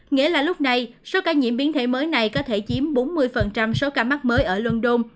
nghĩa là lúc này số ca nhiễm biến thể mới này có thể chiếm bốn mươi số ca mắc mới ở london